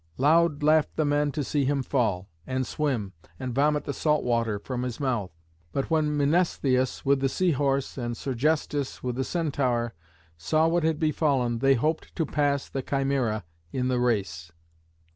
Loud laughed the men to see him fall, and swim, and vomit the salt water from his mouth. But when Mnestheus with the Sea Horse, and Sergestus with the Centaur, saw what had befallen, they hoped to pass the Chimæra in the race.